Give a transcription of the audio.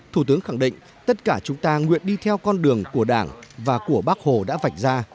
thủ tướng khẳng định tất cả chúng ta nguyện đi theo con đường của đảng và của bác hồ đã vạch ra